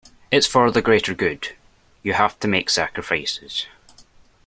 It’s for the greater good, you have to make sacrifices.